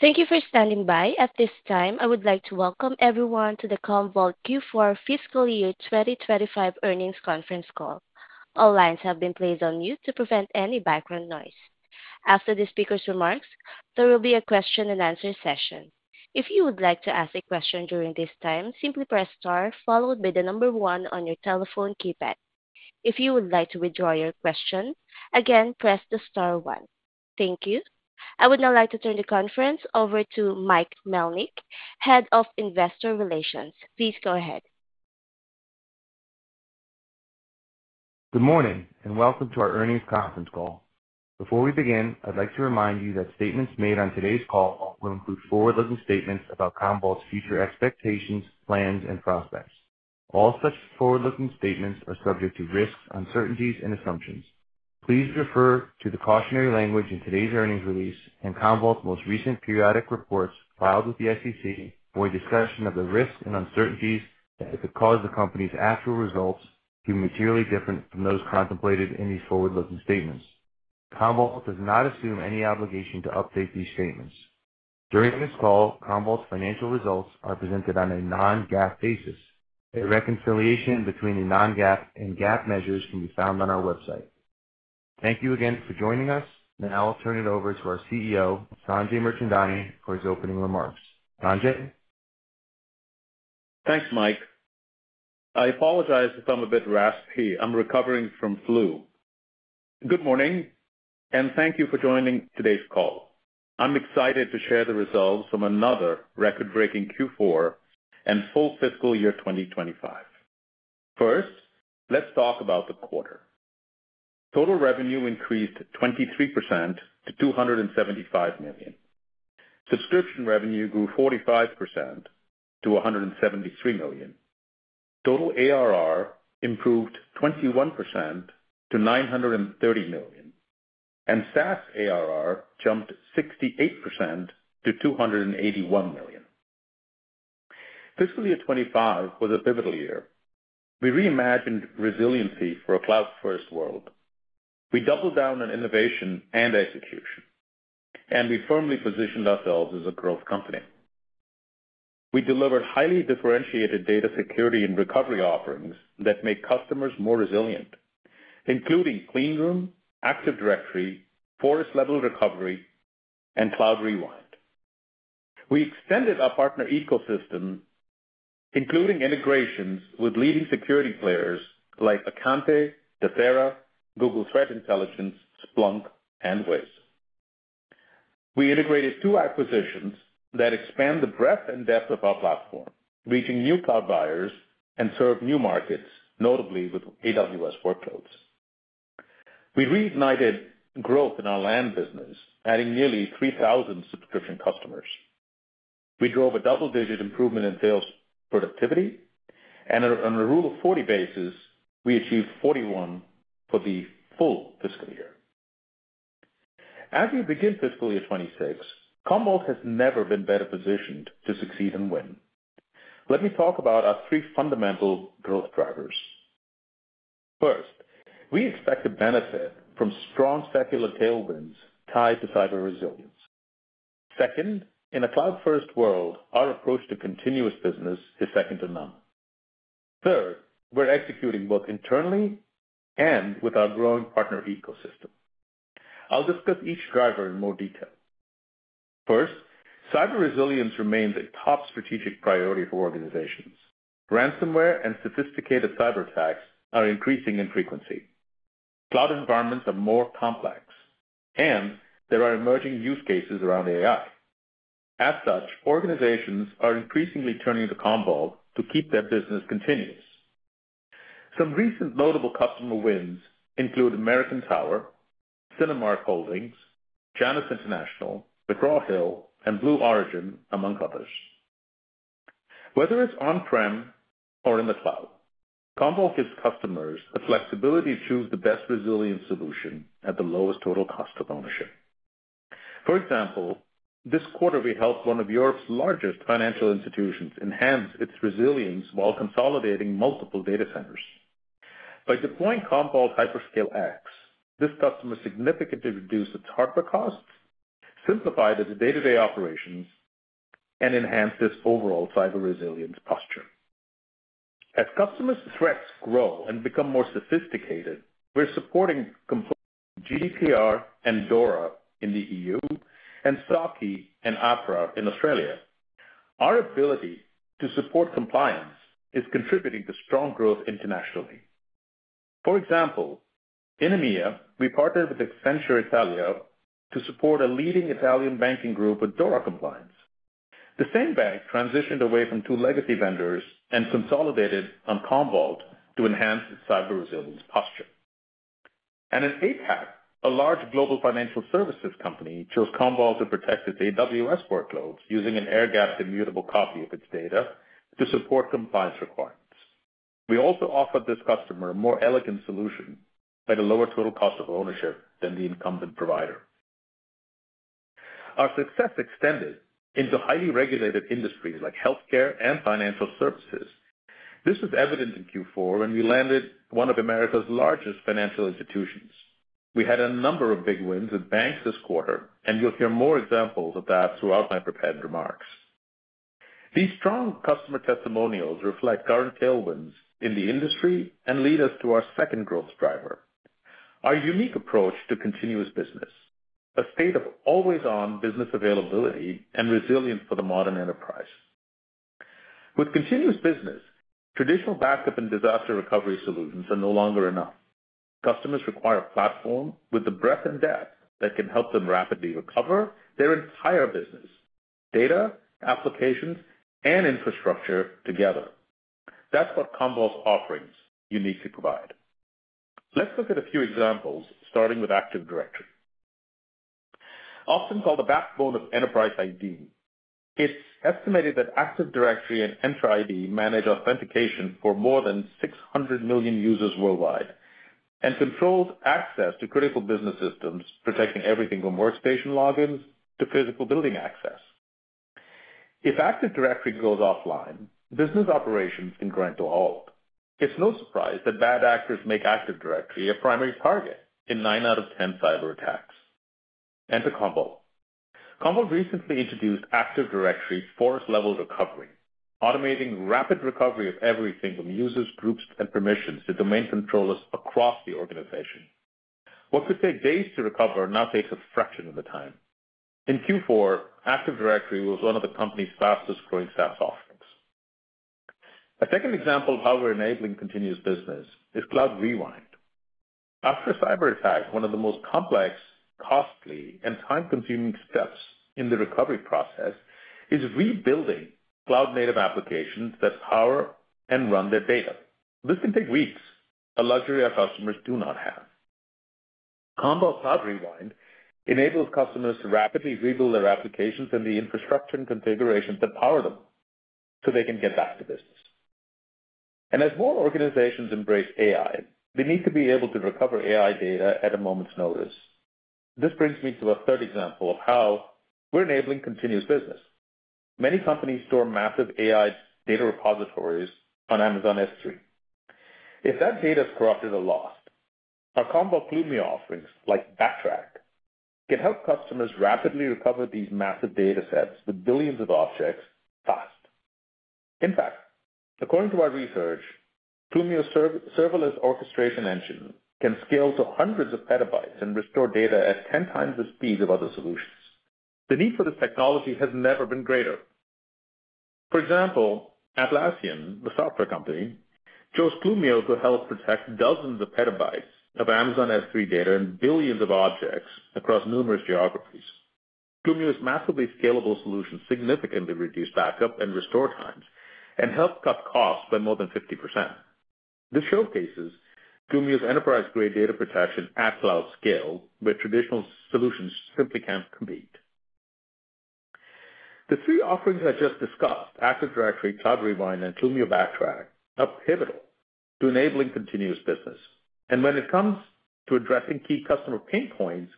Thank you for standing by. At this time, I would like to welcome everyone to the Commvault Q4 Fiscal Year 2025 Earnings Conference Call. All lines have been placed on mute to prevent any background noise. After the speaker's remarks, there will be a question-and-answer session. If you would like to ask a question during this time, simply press star, followed by the number one on your telephone keypad. If you would like to withdraw your question, again, press the star one. Thank you. I would now like to turn the conference over to Mike Melnyk, Head of Investor Relations. Please go ahead. Good morning, and welcome to our Earnings Conference Call. Before we begin, I'd like to remind you that statements made on today's call will include forward-looking statements about Commvault's future expectations, plans, and prospects. All such forward-looking statements are subject to risks, uncertainties, and assumptions. Please refer to the cautionary language in today's earnings release and Commvault's most recent periodic reports filed with the SEC for a discussion of the risks and uncertainties that could cause the company's actual results to be materially different from those contemplated in these forward-looking statements. Commvault does not assume any obligation to update these statements. During this call, Commvault's financial results are presented on a non-GAAP basis. A reconciliation between the non-GAAP and GAAP measures can be found on our website. Thank you again for joining us. Now I'll turn it over to our CEO, Sanjay Mirchandani, for his opening remarks. Sanjay? Thanks, Mike. I apologize if I'm a bit raspy. I'm recovering from flu. Good morning, and thank you for joining today's call. I'm excited to share the results from another record-breaking Q4 and full fiscal year 2025. First, let's talk about the quarter. Total revenue increased 23% to $275 million. Subscription revenue grew 45% to $173 million. Total ARR improved 21% to $930 million, and SaaS ARR jumped 68% to $281 million. Fiscal year 2025 was a pivotal year. We reimagined resiliency for a cloud-first world. We doubled down on innovation and execution, and we firmly positioned ourselves as a growth company. We delivered highly differentiated data security and recovery offerings that make customers more resilient, including Cleanroom, Active Directory Forest Level Recovery, and Cloud Rewind. We extended our partner ecosystem, including integrations with leading security players like Acante, Dasera, Google Threat Intelligence, Splunk, and Wiz. We integrated two acquisitions that expand the breadth and depth of our platform, reaching new cloud buyers and serve new markets, notably with AWS workloads. We reignited growth in our LAN business, adding nearly 3,000 subscription customers. We drove a double-digit improvement in sales productivity, and on a Rule of 40 basis, we achieved 41% for the full fiscal year. As we begin fiscal year 2026, Commvault has never been better positioned to succeed and win. Let me talk about our three fundamental growth drivers. First, we expect to benefit from strong secular tailwinds tied to cyber resilience. Second, in a cloud-first world, our approach to continuous business is second to none. Third, we're executing both internally and with our growing partner ecosystem. I'll discuss each driver in more detail. First, cyber resilience remains a top strategic priority for organizations. Ransomware and sophisticated cyber attacks are increasing in frequency. Cloud environments are more complex, and there are emerging use cases around AI. As such, organizations are increasingly turning to Commvault to keep their business continuous. Some recent notable customer wins include American Tower, Cinemark Holdings, Janus International, McGraw Hill, and Blue Origin, among others. Whether it's on-prem or in the cloud, Commvault gives customers the flexibility to choose the best resilience solution at the lowest total cost of ownership. For example, this quarter we helped one of Europe's largest financial institutions enhance its resilience while consolidating multiple data centers. By deploying Commvault HyperScale X, this customer significantly reduced its hardware costs, simplified its day-to-day operations, and enhanced its overall cyber resilience posture. As customers' threats grow and become more sophisticated, we're supporting GDPR and DORA in the EU, and SOC 2 and APRA in Australia. Our ability to support compliance is contributing to strong growth internationally. For example, in EMEA, we partnered with Accenture Italia to support a leading Italian banking group with DORA compliance. The same bank transitioned away from two legacy vendors and consolidated on Commvault to enhance its cyber resilience posture. In APAC, a large global financial services company chose Commvault to protect its AWS workloads using an air-gapped immutable copy of its data to support compliance requirements. We also offered this customer a more elegant solution at a lower total cost of ownership than the incumbent provider. Our success extended into highly regulated industries like healthcare and financial services. This was evident in Q4 when we landed one of America's largest financial institutions. We had a number of big wins with banks this quarter, and you'll hear more examples of that throughout my prepared remarks. These strong customer testimonials reflect current tailwinds in the industry and lead us to our second growth driver: our unique approach to continuous business, a state of always-on business availability and resilience for the modern enterprise. With continuous business, traditional backup and disaster recovery solutions are no longer enough. Customers require a platform with the breadth and depth that can help them rapidly recover their entire business, data, applications, and infrastructure together. That's what Commvault's offerings uniquely provide. Let's look at a few examples, starting with Active Directory. Often called the backbone of enterprise ID, it's estimated that Active Directory and Entra ID manage authentication for more than 600 million users worldwide and control access to critical business systems, protecting everything from workstation logins to physical building access. If Active Directory goes offline, business operations can grind to a halt. It's no surprise that bad actors make Active Directory a primary target in nine out of 10 cyber attacks. Enter Commvault. Commvault recently introduced Active Directory Forest Level Recovery, automating rapid recovery of everything from users, groups, and permissions to domain controllers across the organization. What could take days to recover now takes a fraction of the time. In Q4, Active Directory was one of the company's fastest-growing SaaS offerings. A second example of how we're enabling continuous business is Cloud Rewind. After a cyber attack, one of the most complex, costly, and time-consuming steps in the recovery process is rebuilding cloud-native applications that power and run their data. This can take weeks, a luxury our customers do not have. Commvault Cloud Rewind enables customers to rapidly rebuild their applications and the infrastructure and configurations that power them so they can get back to business. As more organizations embrace AI, they need to be able to recover AI data at a moment's notice. This brings me to a third example of how we're enabling continuous business. Many companies store massive AI data repositories on Amazon S3. If that data is corrupted or lost, our Commvault Clumio offerings, like Backtrack, can help customers rapidly recover these massive data sets with billions of objects fast. In fact, according to our research, Clumio's serverless orchestration engine can scale to hundreds of petabytes and restore data at 10x the speed of other solutions. The need for this technology has never been greater. For example, Atlassian, the software company, chose Clumio to help protect dozens of petabytes of Amazon S3 data and billions of objects across numerous geographies. Clumio's massively scalable solution significantly reduced backup and restore times and helped cut costs by more than 50%. This showcases Clumio's enterprise-grade data protection at cloud scale, where traditional solutions simply can't compete. The three offerings I just discussed, Active Directory, Cloud Rewind, and Clumio Backtrack, are pivotal to enabling continuous business. When it comes to addressing key customer pain points,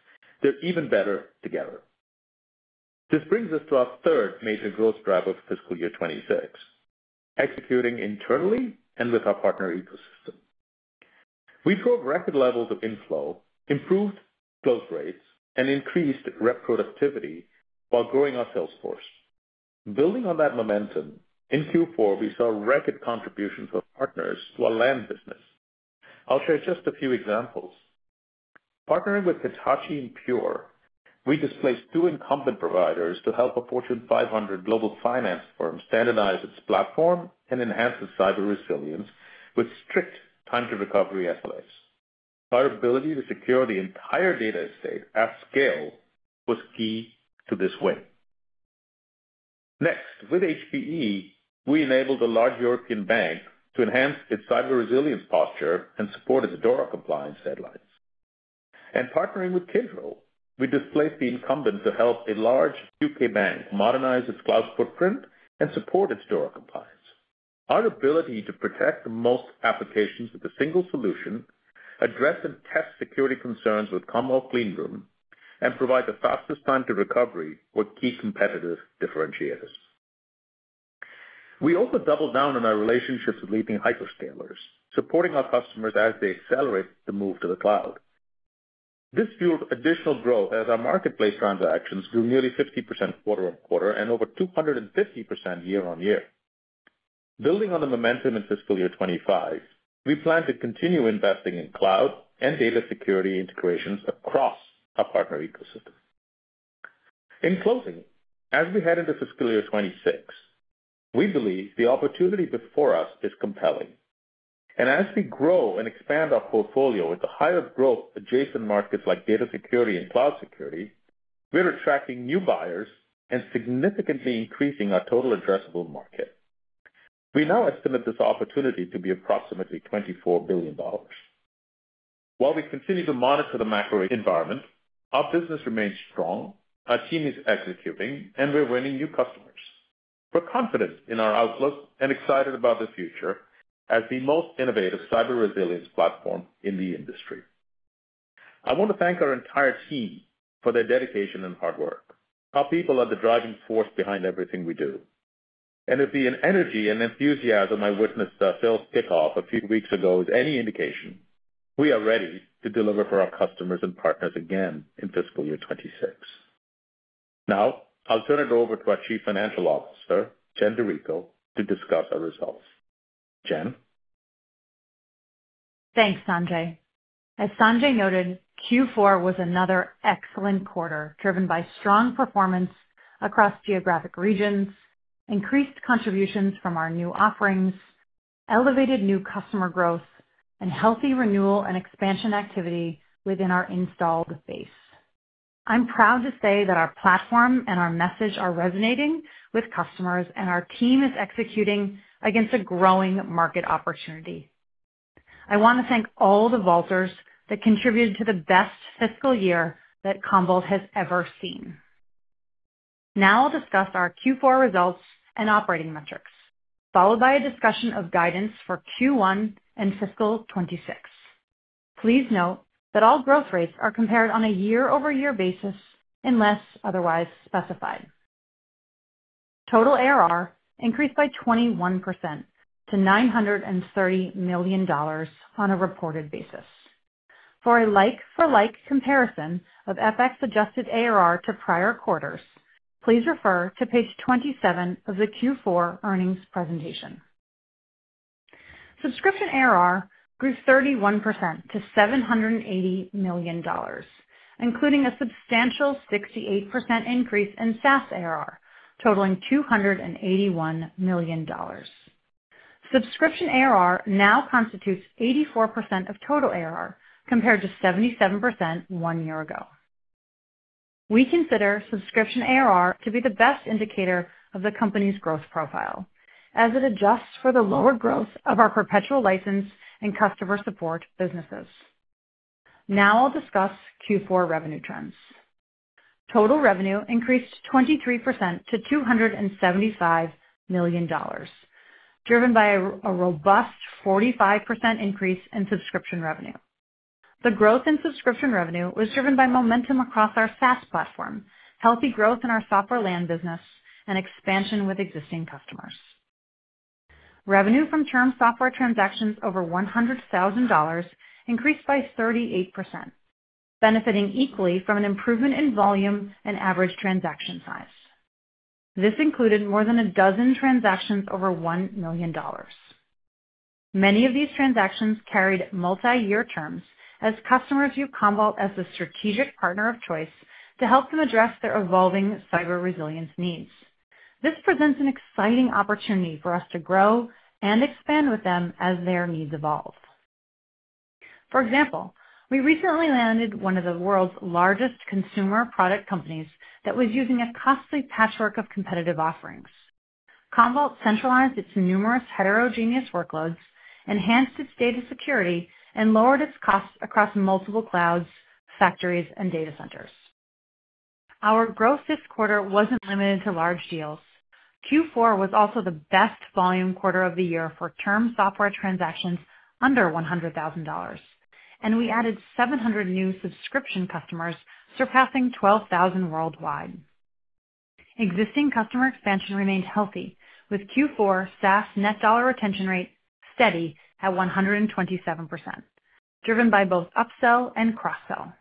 they're even better together. This brings us to our third major growth driver for fiscal year 2026: executing internally and with our partner ecosystem. We drove record levels of inflow, improved growth rates, and increased rep productivity while growing our sales force. Building on that momentum, in Q4, we saw record contributions from partners to our LAN business. I'll share just a few examples. Partnering with Hitachi and Pure, we displaced two incumbent providers to help a Fortune 500 global finance firm standardize its platform and enhance its cyber resilience with strict time-to-recovery SLAs. Our ability to secure the entire data estate at scale was key to this win. Next, with HPE, we enabled a large European bank to enhance its cyber resilience posture and support its DORA compliance deadlines. Partnering with Kyndryl, we displaced the incumbent to help a large U.K. bank modernize its cloud footprint and support its DORA compliance. Our ability to protect most applications with a single solution, address and test security concerns with Commvault Cleanroom, and provide the fastest time-to-recovery were key competitive differentiators. We also doubled down on our relationships with leading hyperscalers, supporting our customers as they accelerate the move to the cloud. This fueled additional growth as our marketplace transactions grew nearly 50% quarter-on-quarter and over 250% year-on-year. Building on the momentum in fiscal year 2025, we plan to continue investing in cloud and data security integrations across our partner ecosystem. In closing, as we head into fiscal year 2026, we believe the opportunity before us is compelling. As we grow and expand our portfolio with the higher growth-adjacent markets like data security and cloud security, we are attracting new buyers and significantly increasing our total addressable market. We now estimate this opportunity to be approximately $24 billion. While we continue to monitor the macro environment, our business remains strong, our team is executing, and we are winning new customers. We are confident in our outlook and excited about the future as the most innovative cyber resilience platform in the industry. I want to thank our entire team for their dedication and hard work. Our people are the driving force behind everything we do. If the energy and enthusiasm I witnessed at our sales kickoff a few weeks ago is any indication, we are ready to deliver for our customers and partners again in fiscal year 2026. Now, I'll turn it over to our Chief Financial Officer, Jen DiRico, to discuss our results. Jen? Thanks, Sanjay. As Sanjay noted, Q4 was another excellent quarter driven by strong performance across geographic regions, increased contributions from our new offerings, elevated new customer growth, and healthy renewal and expansion activity within our installed base. I'm proud to say that our platform and our message are resonating with customers, and our team is executing against a growing market opportunity. I want to thank all the Vaulters that contributed to the best fiscal year that Commvault has ever seen. Now I'll discuss our Q4 results and operating metrics, followed by a discussion of guidance for Q1 and fiscal 2026. Please note that all growth rates are compared on a year-over-year basis unless otherwise specified. Total ARR increased by 21% to $930 million on a reported basis. For a like-for-like comparison of FX-adjusted ARR to prior quarters, please refer to page 27 of the Q4 earnings presentation. Subscription ARR grew 31% to $780 million, including a substantial 68% increase in SaaS ARR, totaling $281 million. Subscription ARR now constitutes 84% of total ARR compared to 77% one year ago. We consider subscription ARR to be the best indicator of the company's growth profile, as it adjusts for the lower growth of our perpetual license and customer support businesses. Now I'll discuss Q4 revenue trends. Total revenue increased 23% to $275 million, driven by a robust 45% increase in subscription revenue. The growth in subscription revenue was driven by momentum across our SaaS platform, healthy growth in our software LAN business, and expansion with existing customers. Revenue from term software transactions over $100,000 increased by 38%, benefiting equally from an improvement in volume and average transaction size. This included more than a dozen transactions over $1 million. Many of these transactions carried multi-year terms, as customers view Commvault as the strategic partner of choice to help them address their evolving cyber resilience needs. This presents an exciting opportunity for us to grow and expand with them as their needs evolve. For example, we recently landed one of the world's largest consumer product companies that was using a costly patchwork of competitive offerings. Commvault centralized its numerous heterogeneous workloads, enhanced its data security, and lowered its costs across multiple clouds, factories, and data centers. Our growth this quarter was not limited to large deals. Q4 was also the best volume quarter of the year for term software transactions under $100,000, and we added 700 new subscription customers, surpassing 12,000 worldwide. Existing customer expansion remained healthy, with Q4 SaaS net dollar retention rate steady at 127%, driven by both upsell and cross-sell.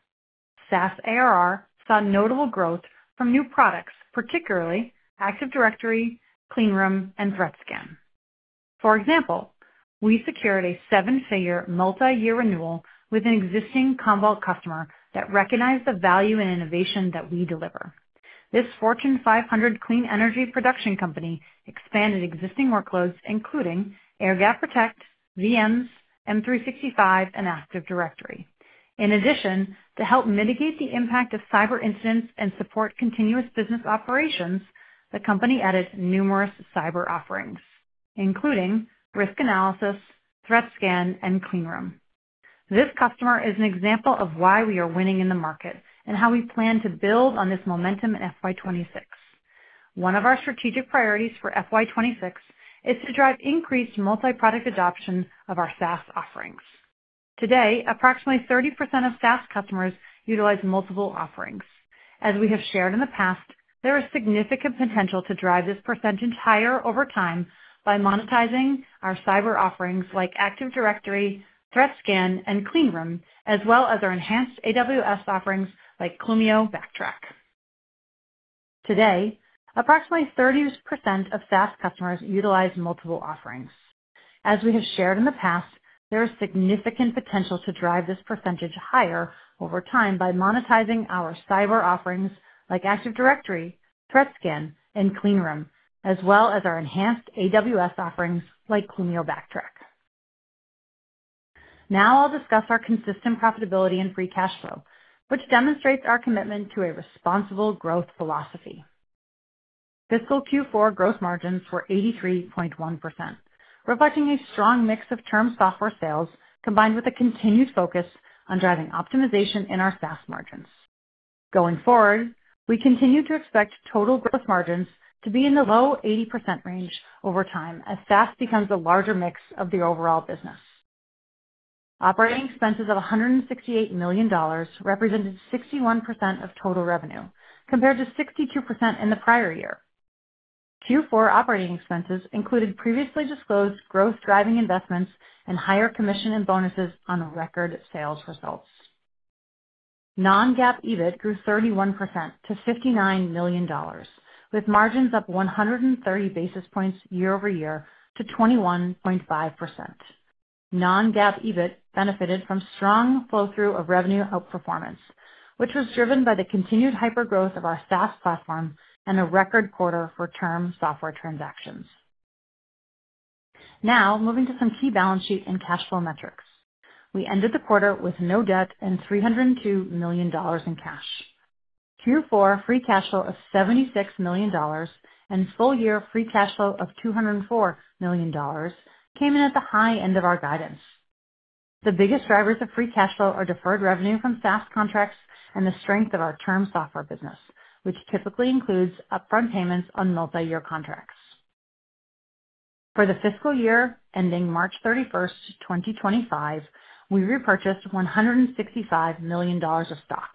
SaaS ARR saw notable growth from new products, particularly Active Directory, Cleanroom, and Threat Scan. For example, we secured a seven-figure multi-year renewal with an existing Commvault customer that recognized the value and innovation that we deliver. This Fortune 500 clean energy production company expanded existing workloads, including Air Gap Protect, VMs, M365, and Active Directory. In addition, to help mitigate the impact of cyber incidents and support continuous business operations, the company added numerous cyber offerings, including risk analysis, Threat Scan, and Cleanroom. This customer is an example of why we are winning in the market and how we plan to build on this momentum in FY2026. One of our strategic priorities for FY2026 is to drive increased multi-product adoption of our SaaS offerings. Today, approximately 30% of SaaS customers utilize multiple offerings. As we have shared in the past, there is significant potential to drive this percentage higher over time by monetizing our cyber offerings like Active Directory, Threat Scan, and Cleanroom, as well as our enhanced AWS offerings like Clumio Backtrack. Now I'll discuss our consistent profitability and free cash flow, which demonstrates our commitment to a responsible growth philosophy. Fiscal Q4 gross margins were 83.1%, reflecting a strong mix of term software sales combined with a continued focus on driving optimization in our SaaS margins. Going forward, we continue to expect total gross margins to be in the low 80% range over time as SaaS becomes a larger mix of the overall business. Operating expenses of $168 million represented 61% of total revenue, compared to 62% in the prior year. Q4 operating expenses included previously disclosed growth-driving investments and higher commission and bonuses on record sales results. Non-GAAP EBIT grew 31% to $59 million, with margins up 130 basis points year-over-year to 21.5%. Non-GAAP EBIT benefited from strong flow-through of revenue outperformance, which was driven by the continued hypergrowth of our SaaS platform and a record quarter for term software transactions. Now moving to some key balance sheet and cash flow metrics. We ended the quarter with no debt and $302 million in cash. Q4 free cash flow of $76 million and full-year free cash flow of $204 million came in at the high end of our guidance. The biggest drivers of free cash flow are deferred revenue from SaaS contracts and the strength of our term software business, which typically includes upfront payments on multi-year contracts. For the fiscal year ending March 31st, 2025, we repurchased $165 million of stock,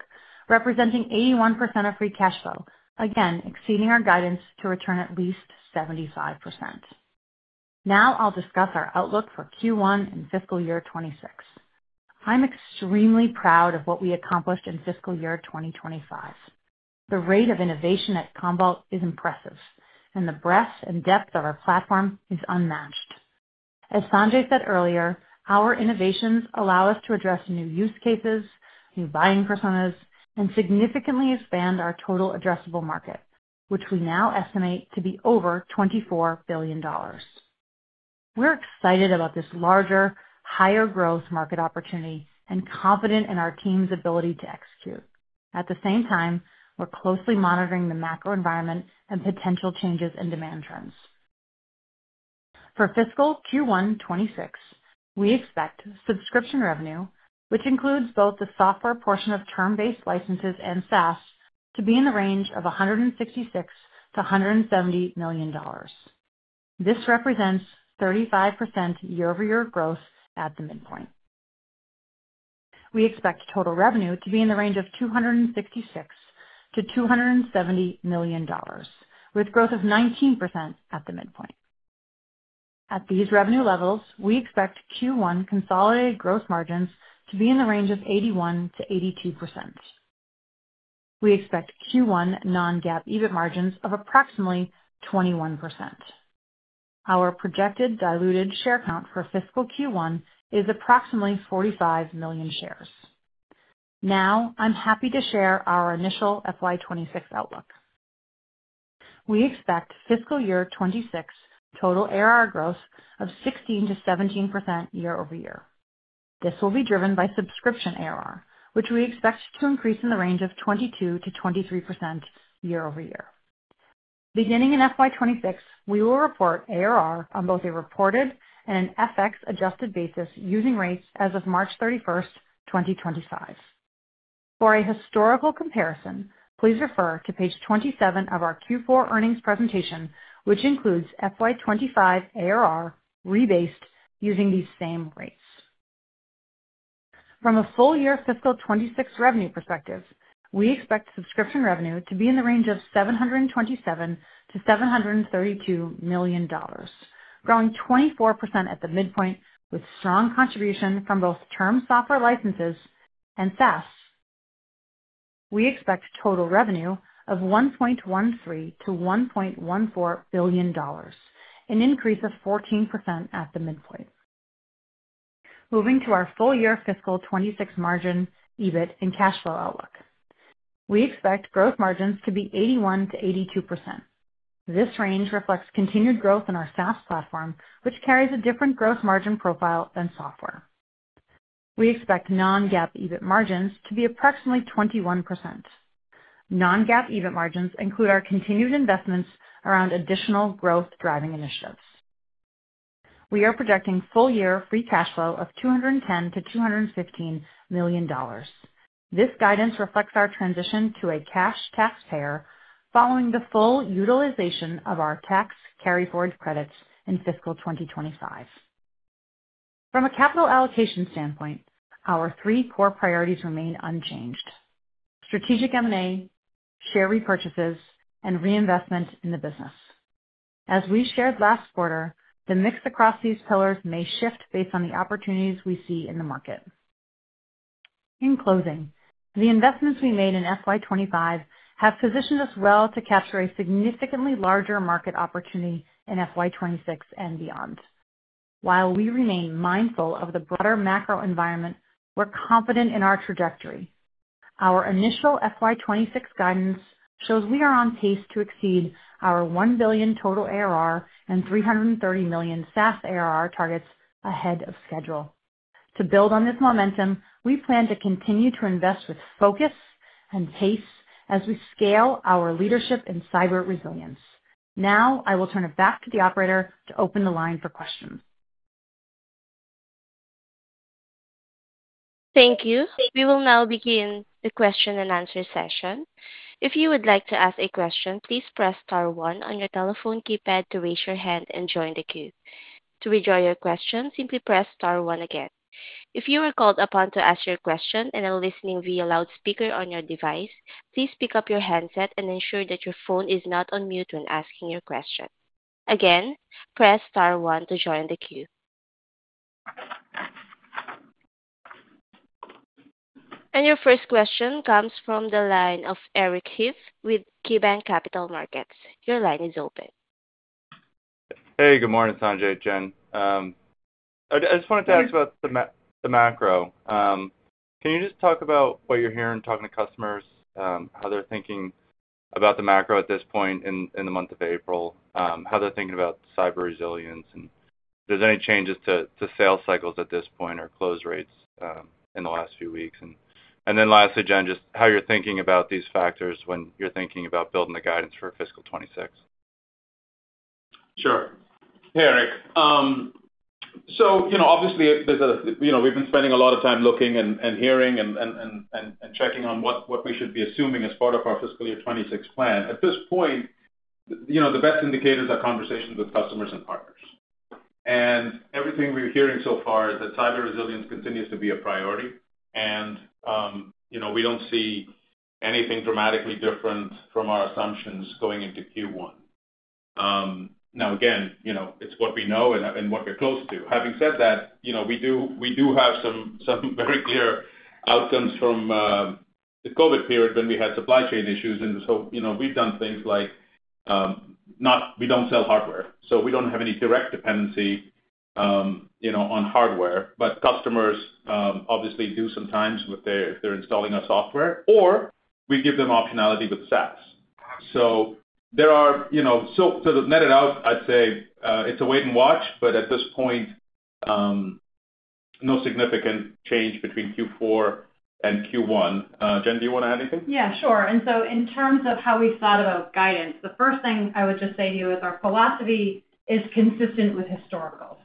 representing 81% of free cash flow, again exceeding our guidance to return at least 75%. Now I'll discuss our outlook for Q1 and fiscal year 2026. I'm extremely proud of what we accomplished in fiscal year 2025. The rate of innovation at Commvault is impressive, and the breadth and depth of our platform is unmatched. As Sanjay said earlier, our innovations allow us to address new use cases, new buying personas, and significantly expand our total addressable market, which we now estimate to be over $24 billion. We're excited about this larger, higher-growth market opportunity and confident in our team's ability to execute. At the same time, we're closely monitoring the macro environment and potential changes in demand trends. For fiscal Q1 2026, we expect subscription revenue, which includes both the software portion of term-based licenses and SaaS, to be in the range of $166 million-$170 million. This represents 35% year-over-year growth at the midpoint. We expect total revenue to be in the range of $266 million-$270 million, with growth of 19% at the midpoint. At these revenue levels, we expect Q1 consolidated gross margins to be in the range of 81%-82%. We expect Q1 non-GAAP EBIT margins of approximately 21%. Our projected diluted share count for fiscal Q1 is approximately 45 million shares. Now I'm happy to share our initial FY2026 outlook. We expect fiscal year 2026 total ARR growth of 16%-17% year-over-year. This will be driven by subscription ARR, which we expect to increase in the range of 22%-23% year-over-year. Beginning in FY2026, we will report ARR on both a reported and an FX-adjusted basis using rates as of March 31st, 2025. For a historical comparison, please refer to page 27 of our Q4 earnings presentation, which includes FY2025 ARR rebased using these same rates. From a full-year fiscal 2026 revenue perspective, we expect subscription revenue to be in the range of $727 million-$732 million, growing 24% at the midpoint with strong contribution from both term software licenses and SaaS. We expect total revenue of $1.13 billion-$1.14 billion, an increase of 14% at the midpoint. Moving to our full-year fiscal 2026 margin, EBIT, and cash flow outlook. We expect gross margins to be 81%-82%. This range reflects continued growth in our SaaS platform, which carries a different gross margin profile than software. We expect non-GAAP EBIT margins to be approximately 21%. Non-GAAP EBIT margins include our continued investments around additional growth-driving initiatives. We are projecting full-year free cash flow of $210 million-$215 million. This guidance reflects our transition to a cash taxpayer following the full utilization of our tax carryforward credits in fiscal 2025. From a capital allocation standpoint, our three core priorities remain unchanged: strategic M&A, share repurchases, and reinvestment in the business. As we shared last quarter, the mix across these pillars may shift based on the opportunities we see in the market. In closing, the investments we made in FY2025 have positioned us well to capture a significantly larger market opportunity in FY2026 and beyond. While we remain mindful of the broader macro environment, we're confident in our trajectory. Our initial FY2026 guidance shows we are on pace to exceed our $1 billion total ARR and $330 million SaaS ARR targets ahead of schedule. To build on this momentum, we plan to continue to invest with focus and pace as we scale our leadership in cyber resilience. Now I will turn it back to the operator to open the line for questions. Thank you. We will now begin the question-and-answer session. If you would like to ask a question, please press star one on your telephone keypad to raise your hand and join the queue. To withdraw your question, simply press star one again. If you are called upon to ask your question and are listening via loudspeaker on your device, please pick up your handset and ensure that your phone is not on mute when asking your question. Again, press star one to join the queue. Your first question comes from the line of Eric Heath with KeyBanc Capital Markets. Your line is open. Hey, good morning, Sanjay and Jen. I just wanted to ask about the macro. Can you just talk about what you're hearing talking to customers, how they're thinking about the macro at this point in the month of April, how they're thinking about cyber resilience, and if there's any changes to sales cycles at this point or close rates in the last few weeks? Lastly, Jen, just how you're thinking about these factors when you're thinking about building the guidance for fiscal 2026. Sure. Hey, Eric. Obviously, we've been spending a lot of time looking and hearing and checking on what we should be assuming as part of our fiscal year 2026 plan. At this point, the best indicators are conversations with customers and partners. Everything we're hearing so far is that cyber resilience continues to be a priority, and we don't see anything dramatically different from our assumptions going into Q1. Now, again, it's what we know and what we're close to. Having said that, we do have some very clear outcomes from the COVID period when we had supply chain issues. We have done things like we do not sell hardware, so we do not have any direct dependency on hardware, but customers obviously do sometimes if they are installing our software, or we give them optionality with SaaS. To net it out, I'd say it's a wait and watch, but at this point, no significant change between Q4 and Q1. Jen, do you want to add anything? Yeah, sure. In terms of how we thought about guidance, the first thing I would just say to you is our philosophy is consistent with historical.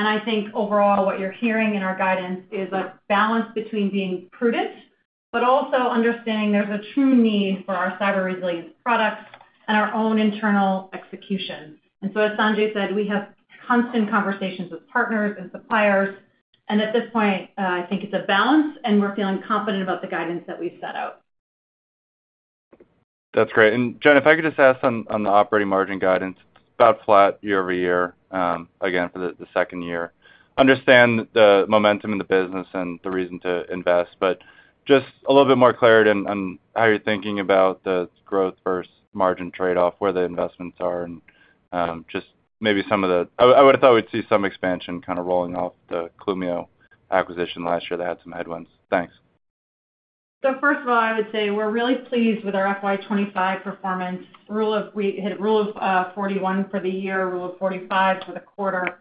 I think overall, what you're hearing in our guidance is a balance between being prudent, but also understanding there's a true need for our cyber resilience products and our own internal execution. As Sanjay said, we have constant conversations with partners and suppliers. At this point, I think it's a balance, and we're feeling confident about the guidance that we've set out. That's great. Jen, if I could just ask on the operating margin guidance, it's about flat year-over-year, again, for the second year. I understand the momentum in the business and the reason to invest, but just a little bit more clarity on how you're thinking about the growth versus margin trade-off, where the investments are, and just maybe some of the I would have thought we'd see some expansion kind of rolling off the Clumio acquisition last year. They had some headwinds. Thanks. First of all, I would say we're really pleased with our FY2025 performance. We hit a rule of 41 for the year, a Rule of 45 for the quarter.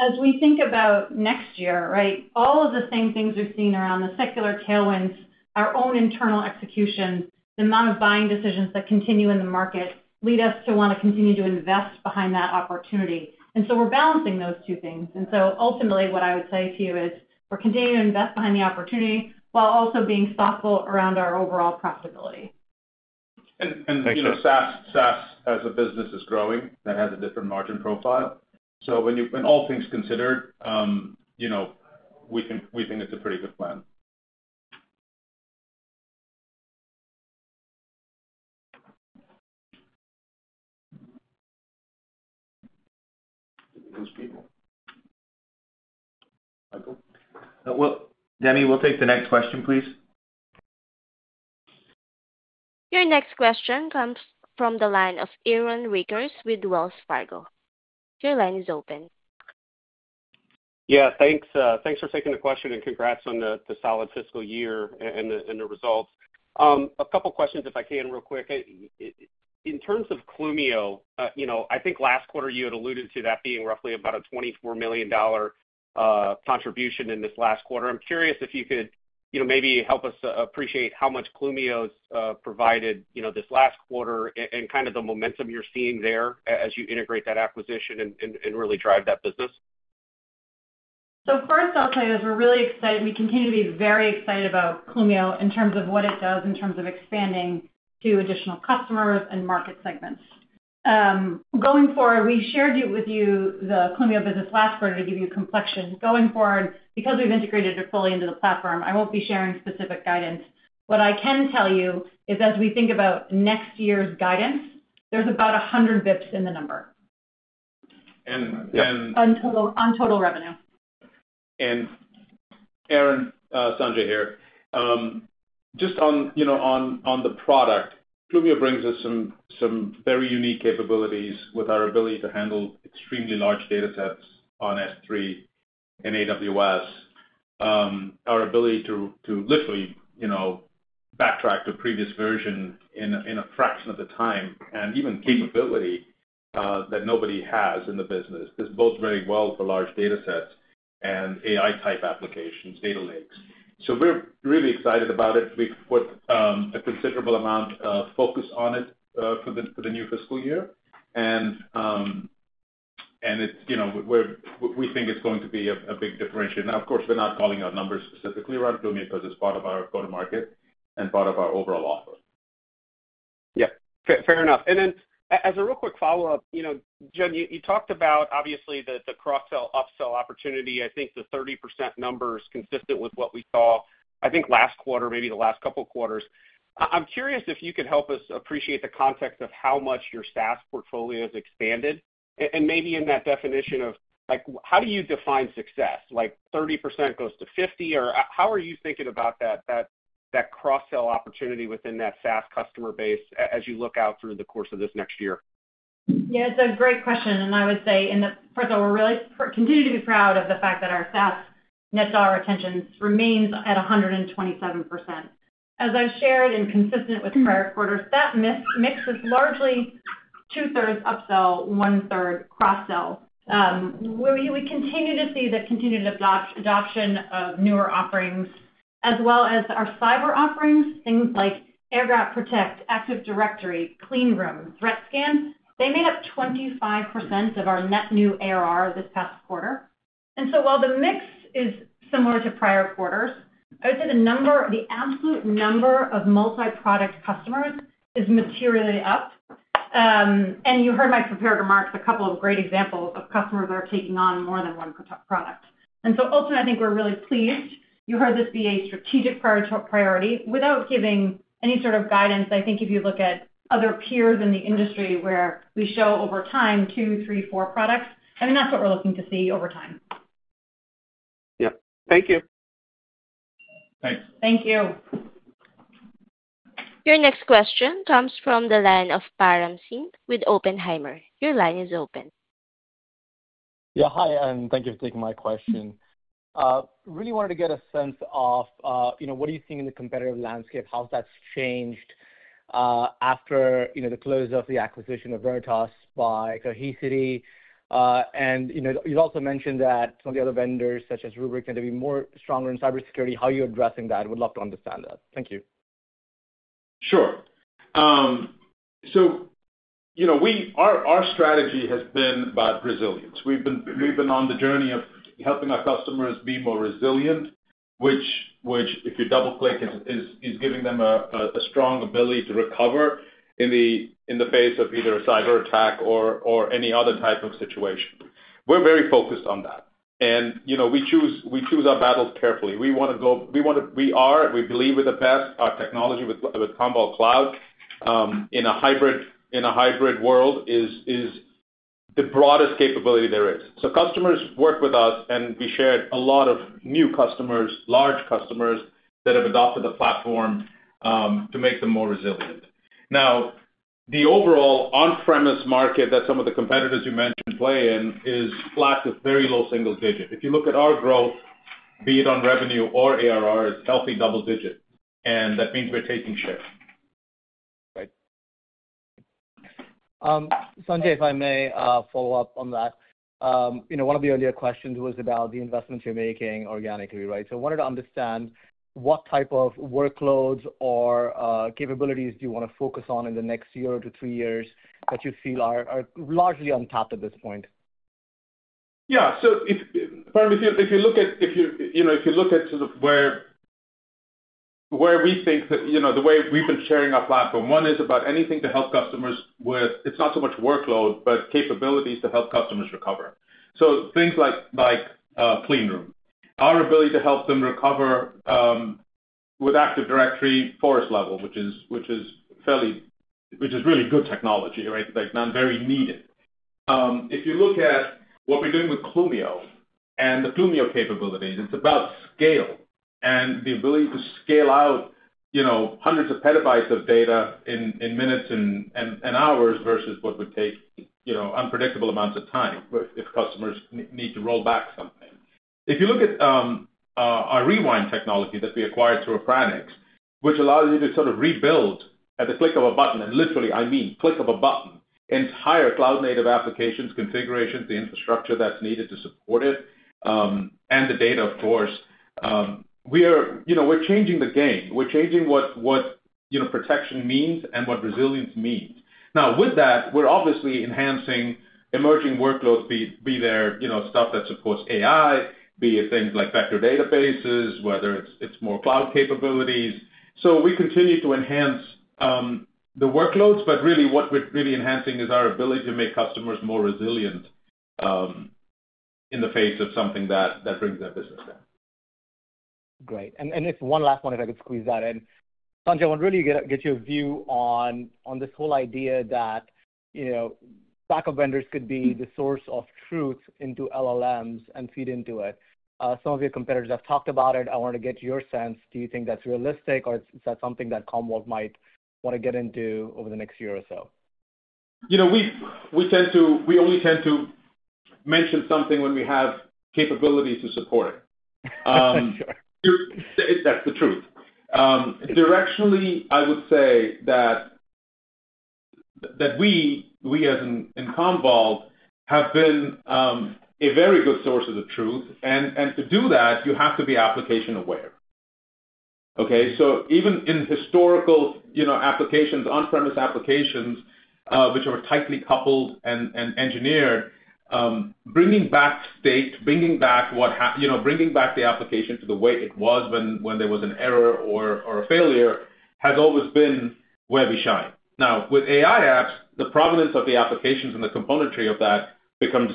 As we think about next year, right, all of the same things we've seen around the secular tailwinds, our own internal execution, the amount of buying decisions that continue in the market lead us to want to continue to invest behind that opportunity. We are balancing those two things. Ultimately, what I would say to you is we're continuing to invest behind the opportunity while also being thoughtful around our overall profitability. SaaS as a business is growing that has a different margin profile. When all things are considered, we think it's a pretty good plan. Demi, we'll take the next question, please. Your next question comes from the line of Aaron Rakers with Wells Fargo. Your line is open. Yeah, thanks for taking the question and congrats on the solid fiscal year and the results. A couple of questions, if I can, real quick. In terms of Clumio, I think last quarter you had alluded to that being roughly about a $24 million contribution in this last quarter. I'm curious if you could maybe help us appreciate how much Clumio has provided this last quarter and kind of the momentum you're seeing there as you integrate that acquisition and really drive that business. First, I'll tell you this. We're really excited. We continue to be very excited about Clumio in terms of what it does in terms of expanding to additional customers and market segments. Going forward, we shared with you the Clumio business last quarter to give you a complexion. Going forward, because we've integrated it fully into the platform, I won't be sharing specific guidance. What I can tell you is as we think about next year's guidance, there's about 100 basis points in the number on total revenue. And Aaron, Sanjay here. Just on the product, Clumio brings us some very unique capabilities with our ability to handle extremely large datasets on S3 and AWS, our ability to literally backtrack to previous version in a fraction of the time, and even capability that nobody has in the business. This bodes very well for large datasets and AI-type applications, data lakes. We are really excited about it. We've put a considerable amount of focus on it for the new fiscal year, and we think it's going to be a big differentiator. Now, of course, we're not calling out numbers specifically around Clumio because it's part of our go-to-market and part of our overall offer. Yeah. Fair enough. As a real quick follow-up, Jen, you talked about, obviously, the cross-sell upsell opportunity. I think the 30% number is consistent with what we saw, I think, last quarter, maybe the last couple of quarters. I'm curious if you could help us appreciate the context of how much your SaaS portfolio has expanded. Maybe in that definition of how do you define success? 30% goes to 50%? Or how are you thinking about that cross-sell opportunity within that SaaS customer base as you look out through the course of this next year? Yeah, it's a great question. I would say, first of all, we continue to be proud of the fact that our SaaS net dollar retention remains at 127%. As I've shared and consistent with prior quarters, that mix is largely two-thirds upsell, one-third cross-sell. We continue to see the continued adoption of newer offerings, as well as our cyber offerings, things like Air Gap Protect, Active Directory, Cleanroom, Threat Scan. They made up 25% of our net new ARR this past quarter. While the mix is similar to prior quarters, I would say the absolute number of multi-product customers is materially up. You heard my prepared remarks, a couple of great examples of customers that are taking on more than one product. Ultimately, I think we're really pleased. You heard this be a strategic priority without giving any sort of guidance. I think if you look at other peers in the industry where we show over time two, three, four products, I mean, that's what we're looking to see over time. Yep. Thank you. Thanks. Thank you. Your next question comes from the line of Param Singh with Oppenheimer. Your line is open. Yeah. Hi, and thank you for taking my question. Really wanted to get a sense of what do you think in the competitive landscape, how's that changed after the close of the acquisition of Veritas by Cohesity? And you also mentioned that some of the other vendors, such as Rubrik, are going to be more stronger in cybersecurity. How are you addressing that? Would love to understand that. Thank you. Sure. Our strategy has been about resilience. We've been on the journey of helping our customers be more resilient, which, if you double-click, is giving them a strong ability to recover in the face of either a cyber attack or any other type of situation. We're very focused on that. We choose our battles carefully. We want to go, we are, we believe with the best. Our technology with Commvault Cloud in a hybrid world is the broadest capability there is. Customers work with us, and we shared a lot of new customers, large customers that have adopted the platform to make them more resilient. Now, the overall on-premise market that some of the competitors you mentioned play in is flat to very low single digit. If you look at our growth, be it on revenue or ARR, it's healthy double digits. That means we're taking share. Right. Sanjay, if I may follow up on that. One of the earlier questions was about the investments you're making organically, right? I wanted to understand what type of workloads or capabilities you want to focus on in the next year to three years that you feel are largely untapped at this point. Yeah. If you look at sort of where we think that the way we've been sharing our platform, one is about anything to help customers with, it's not so much workload, but capabilities to help customers recover. Things like Cleanroom, our ability to help them recover with Active Directory Forest Level Recovery, which is really good technology, right? Very needed. If you look at what we're doing with Clumio and the Clumio capabilities, it's about scale and the ability to scale out hundreds of petabytes of data in minutes and hours versus what would take unpredictable amounts of time if customers need to roll back something. If you look at our Rewind technology that we acquired through Appranix, which allows you to sort of rebuild at the click of a button, and literally, I mean, click of a button, entire cloud-native applications, configurations, the infrastructure that's needed to support it, and the data, of course, we're changing the game. We're changing what protection means and what resilience means. Now, with that, we're obviously enhancing emerging workloads, be there stuff that supports AI, be it things like vector databases, whether it's more cloud capabilities. We continue to enhance the workloads, but really what we're really enhancing is our ability to make customers more resilient in the face of something that brings their business down. Great. If one last one, if I could squeeze that in. Sanjay, I want to really get your view on this whole idea that backup vendors could be the source of truth into LLMs and feed into it. Some of your competitors have talked about it. I wanted to get your sense. Do you think that's realistic, or is that something that Commvault might want to get into over the next year or so? We only tend to mention something when we have capabilities to support it. That's the truth. Directionally, I would say that we, as in Commvault, have been a very good source of the truth. To do that, you have to be application aware. Okay? Even in historical applications, on-premise applications, which are tightly coupled and engineered, bringing back state, bringing back what happened, bringing back the application to the way it was when there was an error or a failure has always been where we shine. Now, with AI apps, the provenance of the applications and the componentry of that becomes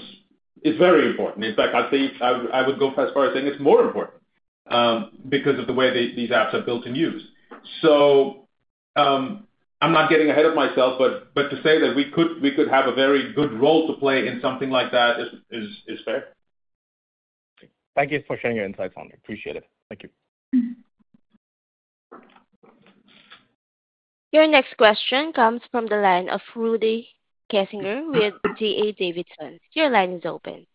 very important. In fact, I would go as far as saying it's more important because of the way these apps are built and used. I'm not getting ahead of myself, but to say that we could have a very good role to play in something like that is fair. Thank you for sharing your insights, Sanjay. Appreciate it. Thank you. Your next question comes from the line of Rudy Kessinger with D.A. Davidson. Your line is open.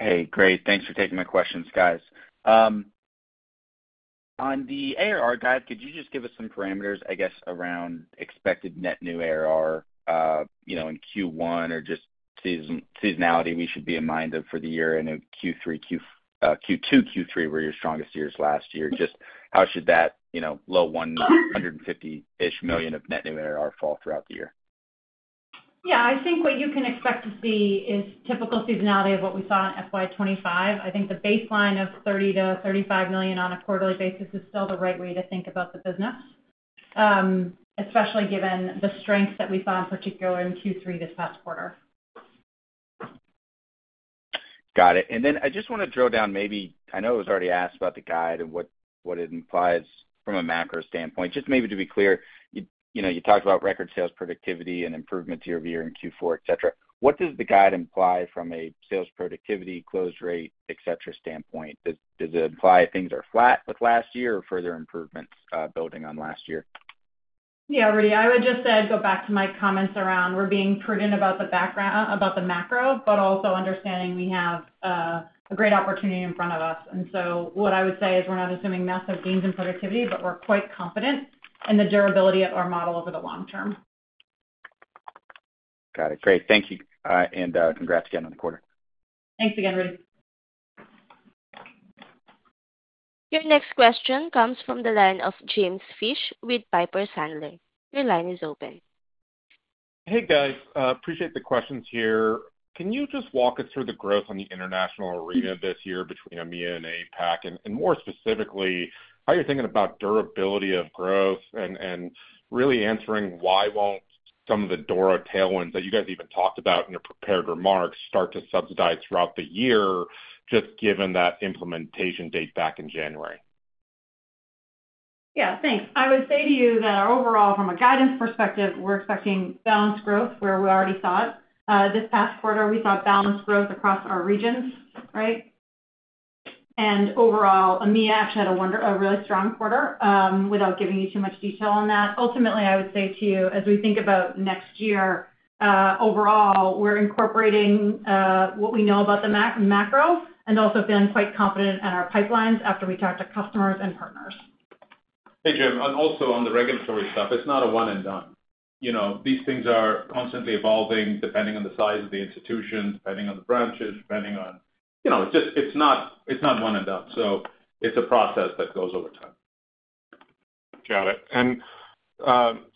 Hey, great. Thanks for taking my questions, guys. On the ARR guide, could you just give us some parameters, I guess, around expected net new ARR in Q1 or just seasonality we should be in mind for the year and Q2, Q3, where your strongest year was last year? Just how should that low $150-ish million of net new ARR fall throughout the year? Yeah. I think what you can expect to see is typical seasonality of what we saw in FY2025. I think the baseline of $30 million-$35 million on a quarterly basis is still the right way to think about the business, especially given the strengths that we saw in particular in Q3 this past quarter. Got it. I just want to drill down maybe I know it was already asked about the guide and what it implies from a macro standpoint. Just maybe to be clear, you talked about record sales productivity and improvements year-to-year in Q4, etc. What does the guide imply from a sales productivity, close rate, etc. standpoint? Does it imply things are flat with last year or further improvements building on last year? Yeah, Rudy, I would just say I'd go back to my comments around we're being prudent about the macro, but also understanding we have a great opportunity in front of us. What I would say is we're not assuming massive gains in productivity, but we're quite confident in the durability of our model over the long term. Got it. Great. Thank you. Congrats again on the quarter. Thanks again, Rudy. Your next question comes from the line of James Fish with Piper Sandler. Your line is open. Hey, guys. Appreciate the questions here. Can you just walk us through the growth on the international arena this year between EMEA and APAC, and more specifically, how you're thinking about durability of growth and really answering why won't some of the DORA-tailwinds that you guys even talked about in your prepared remarks start to subsidize throughout the year, just given that implementation date back in January? Yeah, thanks. I would say to you that overall, from a guidance perspective, we're expecting balanced growth where we already thought. This past quarter, we saw balanced growth across our regions, right? Overall, EMEA actually had a really strong quarter without giving you too much detail on that. Ultimately, I would say to you, as we think about next year, overall, we're incorporating what we know about the macro and also feeling quite confident in our pipelines after we talk to customers and partners. Hey, Jim. Also on the regulatory stuff, it's not a one-and-done. These things are constantly evolving depending on the size of the institution, depending on the branches, depending on—it's not one-and-done. It's a process that goes over time. Got it.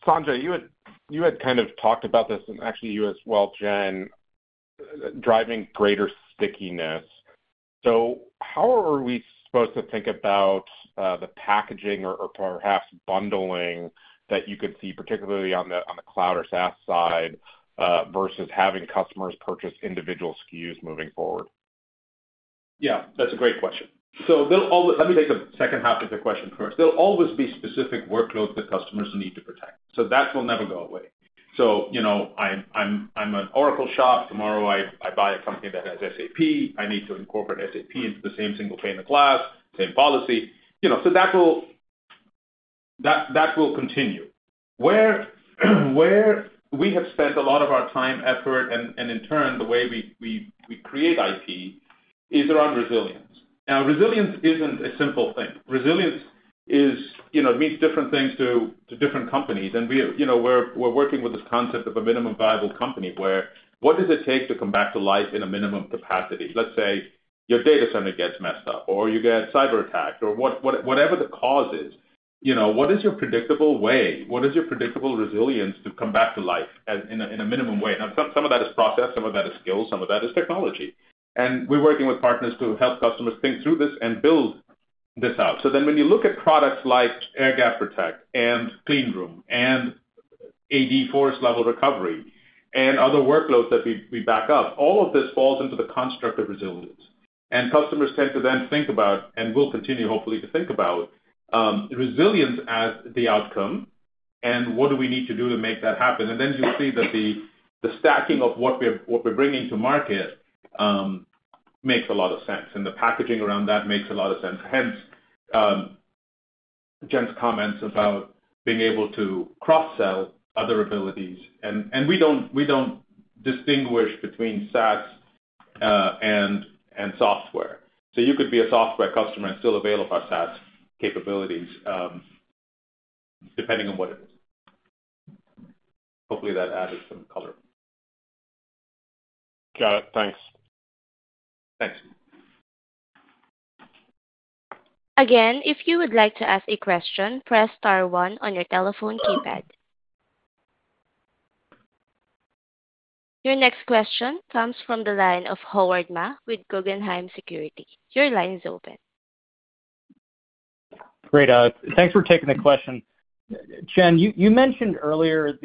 Sanjay, you had kind of talked about this, and actually, you as well, Jen, driving greater stickiness. How are we supposed to think about the packaging or perhaps bundling that you could see, particularly on the cloud or SaaS side, versus having customers purchase individual SKUs moving forward? Yeah. That's a great question. Let me take the second half of the question first. There will always be specific workloads that customers need to protect. That will never go away. I'm an Oracle shop. Tomorrow, I buy a company that has SAP. I need to incorporate SAP into the same single pane of glass, same policy. That will continue. Where we have spent a lot of our time, effort, and in turn, the way we create IP is around resilience. Now, resilience is not a simple thing. Resilience means different things to different companies. We are working with this concept of a minimum viable company where, what does it take to come back to life in a minimum capacity? Let's say your data center gets messed up, or you get cyber attacked, or whatever the cause is. What is your predictable way? What is your predictable resilience to come back to life in a minimum way? Some of that is process. Some of that is skill. Some of that is technology. We are working with partners to help customers think through this and build this out. When you look at products like Air Gap Protect and Cleanroom and AD forest level recovery and other workloads that we back up, all of this falls into the construct of resilience. Customers tend to then think about, and will continue hopefully to think about, resilience as the outcome and what do we need to do to make that happen. You will see that the stacking of what we are bringing to market makes a lot of sense, and the packaging around that makes a lot of sense. Hence, Jen's comments about being able to cross-sell other abilities. We do not distinguish between SaaS and software. You could be a software customer and still avail of our SaaS capabilities, depending on what it is. Hopefully, that added some color. Got it. Thanks. Thanks. Again, if you would like to ask a question, press star one on your telephone keypad. Your next question comes from the line of Howard Ma with Guggenheim Securities. Your line is open. Great. Thanks for taking the question. Jen, you mentioned earlier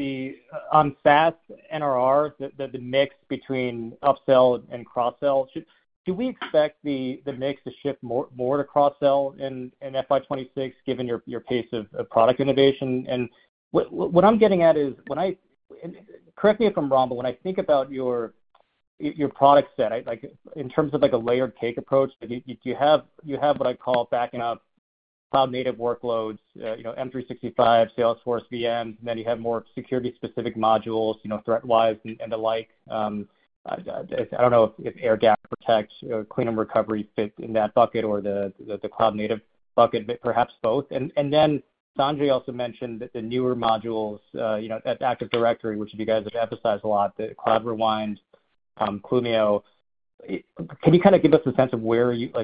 on SaaS NRR, the mix between upsell and cross-sell. Do we expect the mix to shift more to cross-sell in FY2026, given your pace of product innovation? What I'm getting at is, correct me if I'm wrong, but when I think about your product set, in terms of a layered cake approach, you have what I call backing up cloud-native workloads, M365, Salesforce, VMs, and then you have more security-specific modules, ThreatWise and the like. I don't know if Air Gap Protect, Cleanroom Recovery fit in that bucket or the cloud-native bucket, but perhaps both. Sanjay also mentioned that the newer modules at Active Directory, which you guys have emphasized a lot, the Cloud Rewind, Clumio. Can you kind of give us a sense of where are you on?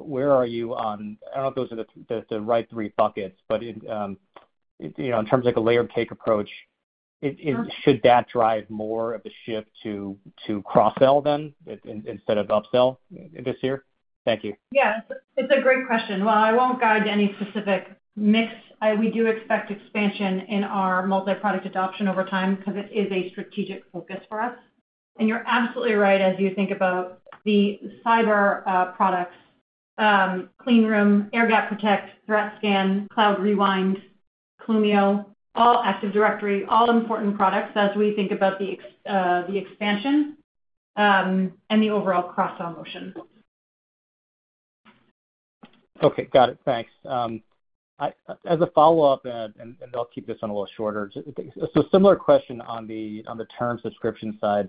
I do not know if those are the right three buckets, but in terms of a layered cake approach, should that drive more of a shift to cross-sell then instead of upsell this year? Thank you. Yeah. It is a great question. I will not guide any specific mix. We do expect expansion in our multi-product adoption over time because it is a strategic focus for us. You are absolutely right as you think about the cyber products, Cleanroom, Air Gap Protect, ThreatScan, Cloud Rewind, Clumio, all Active Directory, all important products as we think about the expansion and the overall cross-sell motion. Okay. Got it. Thanks. As a follow-up, and I'll keep this one a little shorter, so similar question on the term subscription side.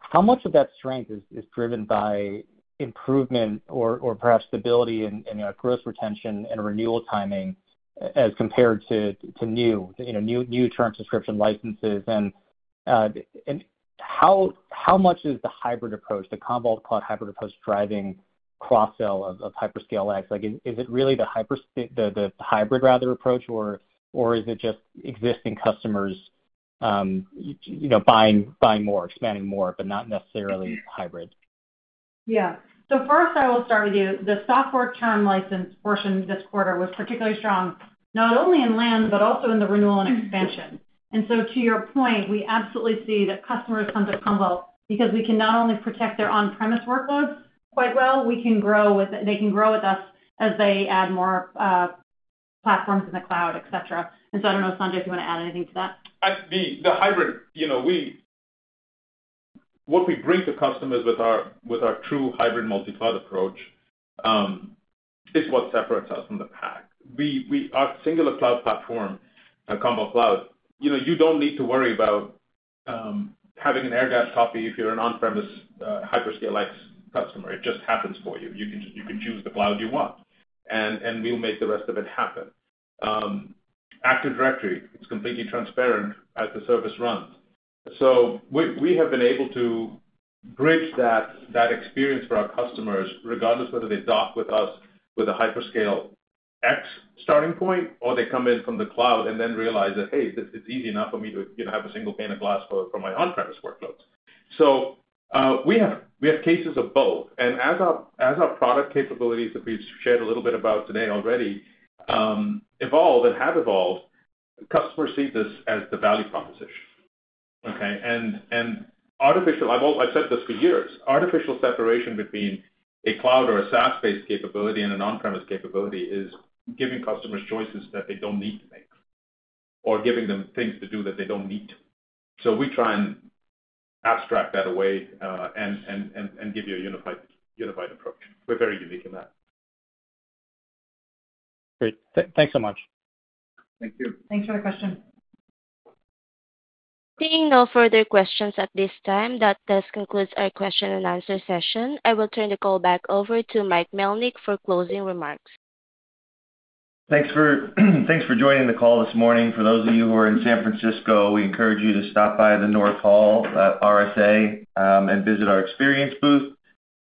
How much of that strength is driven by improvement or perhaps stability in gross retention and renewal timing as compared to new term subscription licenses? And how much is the hybrid approach, the Commvault Cloud hybrid approach driving cross-sell of HyperScale X? Is it really the hybrid rather approach, or is it just existing customers buying more, expanding more, but not necessarily hybrid? Yeah. First, I will start with you. The software term license portion this quarter was particularly strong, not only in land, but also in the renewal and expansion. To your point, we absolutely see that customers come to Commvault because we can not only protect their on-premise workloads quite well, they can grow with us as they add more platforms in the cloud, etc. I don't know, Sanjay, if you want to add anything to that. The hybrid, what we bring to customers with our true hybrid multi-cloud approach is what separates us from the pack. Our singular cloud platform, Commvault Cloud, you don't need to worry about having an Air Gap copy if you're an on-premise HyperScale X customer. It just happens for you. You can choose the cloud you want, and we'll make the rest of it happen. Active Directory, it's completely transparent as the service runs. We have been able to bridge that experience for our customers, regardless whether they dock with us with a HyperScale X starting point, or they come in from the cloud and then realize that, hey, it's easy enough for me to have a single pane of glass for my on-premise workloads. We have cases of both. As our product capabilities that we've shared a little bit about today already evolve and have evolved, customers see this as the value proposition. I have said this for years. Artificial separation between a cloud or a SaaS-based capability and an on-premise capability is giving customers choices that they do not need to make or giving them things to do that they do not need to. We try and abstract that away and give you a unified approach. We are very unique in that. Great. Thanks so much. Thank you. Thanks for the question. Seeing no further questions at this time, that does conclude our question and answer session. I will turn the call back over to Mike Melnyk for closing remarks. Thanks for joining the call this morning. For those of you who are in San Francisco, we encourage you to stop by the North Hall at RSA and visit our experience booth,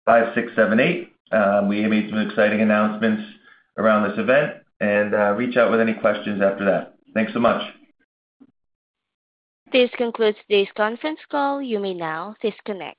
5678. We made some exciting announcements around this event, and reach out with any questions after that. Thanks so much. This concludes today's conference call. You may now disconnect.